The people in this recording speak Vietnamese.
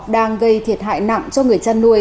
đang gây thiệt hại nặng cho người chăn nuôi